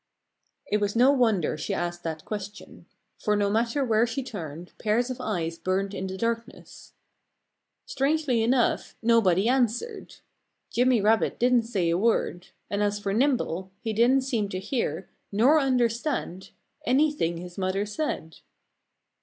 It was no wonder she asked that question. For no matter where she turned, pairs of eyes burned in the darkness. Strangely enough, nobody answered. Jimmy Rabbit didn't say a word. And as for Nimble, he didn't seem to hear nor understand anything his mother said.